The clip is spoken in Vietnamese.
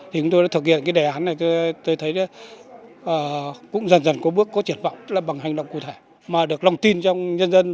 thì chúng tôi đã thực hiện cái đề án này tôi thấy cũng dần dần có bước có triển vọng là bằng hành động cụ thể mà được lòng tin trong nhân dân